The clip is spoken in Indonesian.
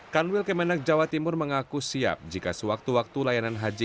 kanwil kemenak jawa timur mengaku siap jika sewaktu waktu layanan haji